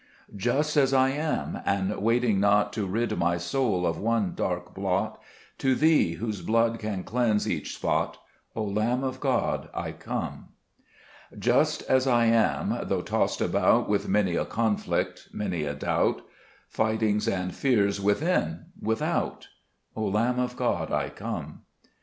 2 Just as I am, and waiting not To rid my soul of one dark blot, To Thee, whose blood can cleanse each spot, O Lamb of God, I come. Zhc Beet Gburcb IbEmns. 3 Just as I am, though tossed about With many a conflict, many a doubt, Fightings and fears within, without, O Lamb of God, I come.